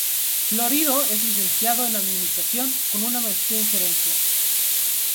Florido es licenciado en administración con una maestría en gerencia.